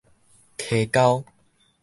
溪溝